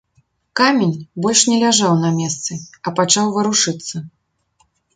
Камень больш не ляжаў на месцы, а пачаў варушыцца.